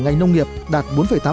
ngành nông nghiệp đạt bốn tám